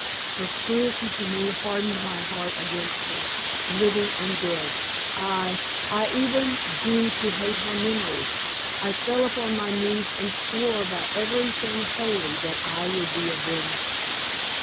Her cruelty to me hardened my heart against her, living and dead. Ay, I even grew to hate her memory. I fell upon my knees and swore by every thing holy that I would be avenged.